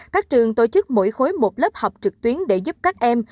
các trường tổ chức mỗi khối một lớp học trực tuyến để giúp các em